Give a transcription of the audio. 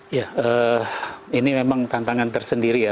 ya ini memang tantangan tersendiri ya